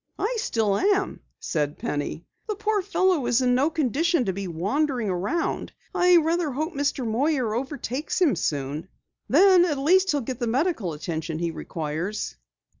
"I still am," said Penny. "The poor fellow is in no condition to be wandering around. I rather hope Mr. Moyer overtakes him soon. Then at least he'll get the medical attention he requires."